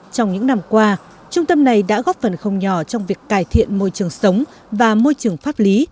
trong những năm qua trung tâm này đã góp phần không nhỏ trong việc cải thiện môi trường sống và môi trường pháp lý